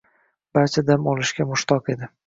Barcha dam olishga mushtoq edi